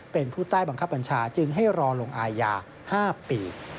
เป็นผู้ใต้บังคับบัญชาจึงให้รอลงอายา๕ปี